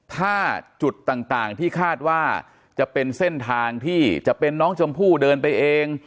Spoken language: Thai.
ถ้าจุดต่างที่คาดว่าจะเป็นเส้นทางที่จะเป็นน้องชมพู่เดินไปเอง